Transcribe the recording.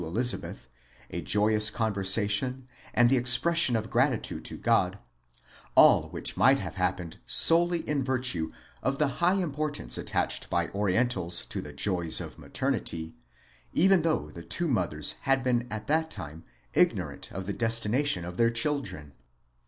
Elizabeth, a joyous conversation, and the expression of gratitude to God ; all which might have happened solely in virtue of the high importance attached by Orientals to the joys of maternity, even though the two mothers had been at that time ignorant of the destination of their children.